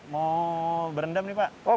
mau berendam pak